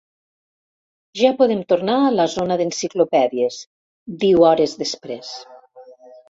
Ja podem tornar a la zona d'enciclopèdies —diu hores després.